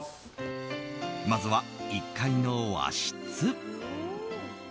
まずは１階の和室。